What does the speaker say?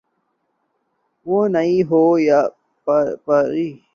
وہ نہیں ہو پا رہی۔